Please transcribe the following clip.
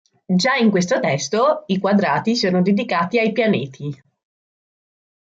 Già in questo testo i quadrati sono dedicati ai pianeti.